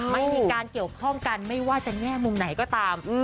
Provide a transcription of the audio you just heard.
ไม่มีการเกี่ยวข้องกันไม่ว่าจะแง่มุมไหนก็ตาม